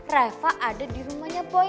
rafa ada di rumahnya boy